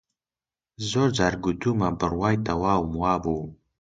زۆر جار گوتوومە، بڕوای تەواوم وا بوو